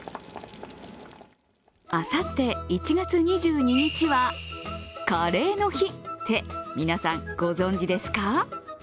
あさって１月２２日は、カレーの日って、皆さんご存じですか？